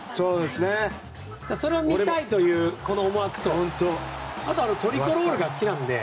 それを見たいというこの思惑とあとはトリコロールが好きなので。